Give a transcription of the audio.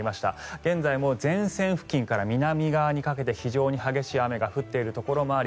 現在も前線付近で南側では非常に激しい雨が降っているところもあり